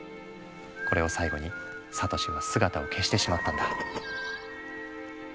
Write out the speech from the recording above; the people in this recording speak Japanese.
これを最後にサトシは姿を消してしまったんだ。